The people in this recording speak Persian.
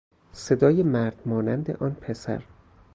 صدای مردمانند آن پسر